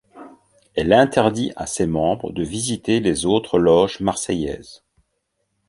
Elle interdit à ses membres de visiter les autres loges marseillaises.